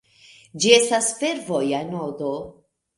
Ĝi estas fervoja nodo.